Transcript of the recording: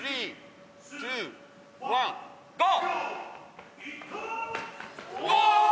どう？